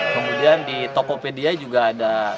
kemudian di tokopedia juga ada